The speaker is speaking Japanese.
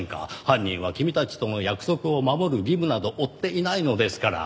犯人は君たちとの約束を守る義務など負っていないのですから。